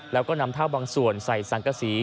แล้วก็นำเท่าบางส่วนใส่สังกษี